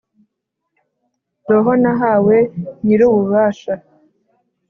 roho nahawe nyir’ububasha